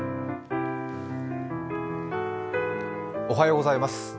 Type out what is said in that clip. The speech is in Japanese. おはようございます。